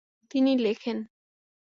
তিনি লেখেন।